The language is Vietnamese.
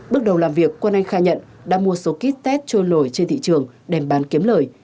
bước đầu làm việc quân anh khai nhận đã mua số kit test trôi nổi trên thị trường đem bán kiếm lời